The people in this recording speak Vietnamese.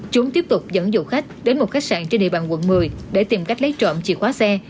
chúng tiếp tục dẫn dụ khách đến một khách sạn trên địa bàn quận một mươi để tìm cách lấy trộm chìa khóa xe